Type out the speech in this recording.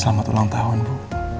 selamat ulang tahun bu